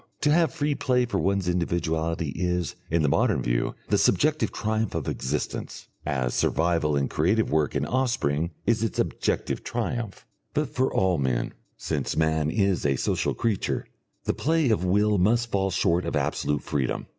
To have free play for one's individuality is, in the modern view, the subjective triumph of existence, as survival in creative work and offspring is its objective triumph. But for all men, since man is a social creature, the play of will must fall short of absolute freedom.